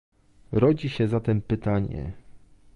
Rodzi się zatem pytanie